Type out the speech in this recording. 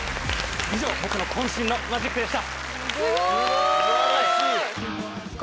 以上僕の渾身のマジックでした。